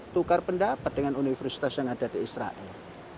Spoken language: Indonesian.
tukar pendapat dengan universitas yang ada di israel